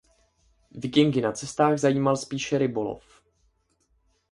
Vikingy na cestách zajímal spíše rybolov.